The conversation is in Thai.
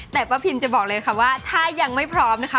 แต่ป้าพิมจะบอกเลยค่ะว่าถ้ายังไม่พร้อมนะคะ